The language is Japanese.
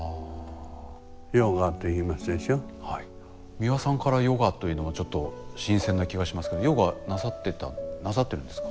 美輪さんからヨガというのはちょっと新鮮な気がしますけどヨガなさってたなさってるんですか？